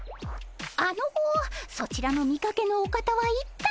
あのそちらの見かけぬお方は一体？